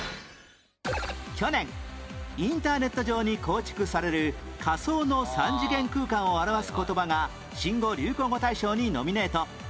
去年インターネット上に構築される仮想の三次元空間を表す言葉が新語・流行語大賞にノミネート